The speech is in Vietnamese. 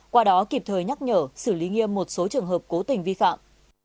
qua đó kịp thời nhắc nhở xử lý nghiêm một số trường hợp cố tình vi phạm